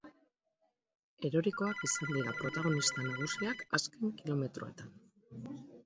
Erorikoak izan dira protagonista nagusiak azken kilometroetan.